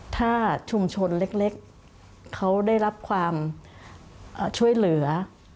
ถ้าชุมชนเล็กเขาได้รับความช่วยเหลือ